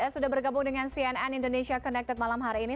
sudah bergabung dengan cnn indonesia connected malam hari ini